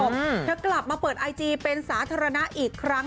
เธอกลับมาเปิดไอจีเป็นสาธารณะอีกครั้ง